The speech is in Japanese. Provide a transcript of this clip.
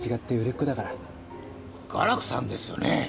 雅楽さんですよね？